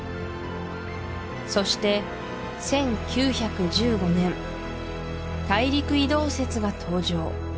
そして１９１５年大陸移動説が登場